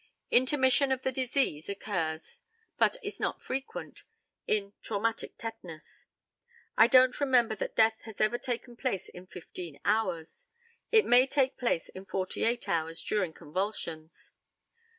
Intermission of the disease occurs, but is not frequent, in traumatic tetanus. I don't remember that death has ever taken place in fifteen hours; it may take place in forty eight hours during convulsions.